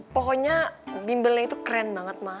pokoknya bimbalnya itu keren banget ma